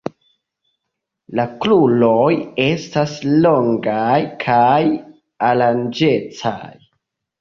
La kruroj estas longaj kaj oranĝecaj.